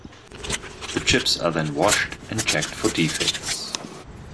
The chips are then washed and checked for defects.